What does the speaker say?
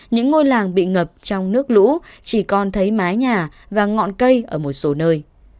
những ngôi làng bị ngập trong nước lũ chỉ còn thấy mái nhà và ngọn cây ở một số nơi